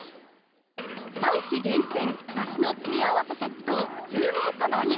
「産地厳選梨の詰め合わせセット」を１０名様に！